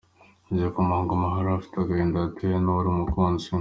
Igikomangoma harry afite agahinda yatewe n’uwari umukunzi we